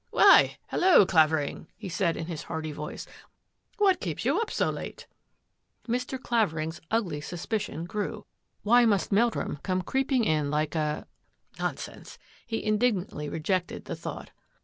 " Why, hallo, Clavering," he called in his hearty voice. " What keeps you up so late? " «4 THAT AFFAIR AT THE MANOR Mr. Clavering's ugly suspicion grew. Wh must Meldrum come creeping in like a — Nor sense! He indignantly rejected the thought.